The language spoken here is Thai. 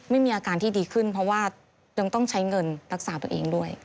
ไม่มีอาการที่ดีขึ้นเพราะว่ายังต้องใช้เงินรักษาตัวเองด้วย